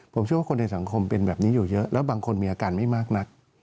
ผมเชื่อว่าคนในสังคมเป็นแบบนี้อยู่เยอะแล้วบางคนมีอาการไม่มากนัก